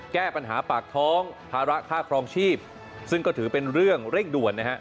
แก้ปัญหาปากท้องภาระค่าครองชีพซึ่งก็ถือเป็นเรื่องเร่งด่วนนะฮะ